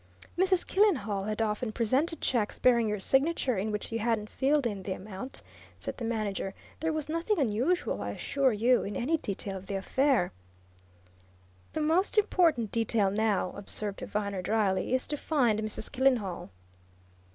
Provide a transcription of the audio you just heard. "Mrs. Killenhall had often presented checks bearing your signature in which you hadn't filled in the amount," said the manager. "There was nothing unusual, I assure you, in any detail of the affair." "The most important detail, now," observed Viner dryly, "is to find Mrs. Killenhall."